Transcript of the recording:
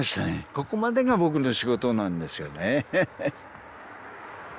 ここまでが僕の仕事なんですよね